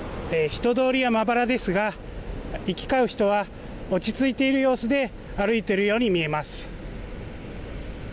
人通りはまばらですが行き交う人は落ち着いている様子で歩いているように見えます。